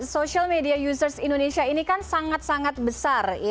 social media users indonesia ini kan sangat sangat besar